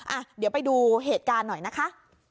อ่ะเดี๋ยวไปดูเหตุการณ์หน่อยนะคะ